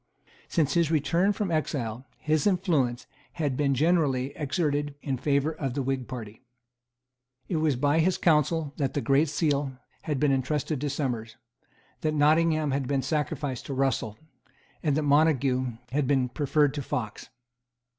Since his return from exile, his influence had been generally exerted in favour of the Whig party. It was by his counsel that the Great Seal had been entrusted to Somers, that Nottingham had been sacrificed to Russell, and that Montague had been preferred to Fox.